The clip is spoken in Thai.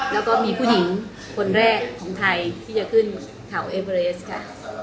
แล้วก็มีผู้หญิงคนแรกของไทยที่จะขึ้นเขาเอเวอเรสค่ะ